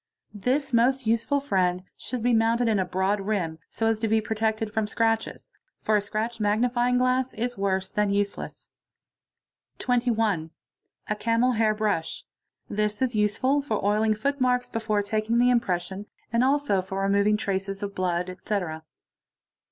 This most useful friend should be /mounted in a broad rim, so as to be protected from scratches, for a cratched magnifying glass is worse than useless. — 21. A camel hair brush. This is useful for oiling footmarks before 'taking the impression and also for removing traces of blood, etc. 22.